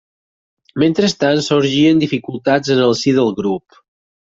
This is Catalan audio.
Mentrestant sorgien dificultats en el si del grup.